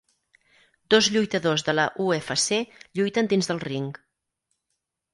Dos lluitadors de la UFC lluiten dins del ring.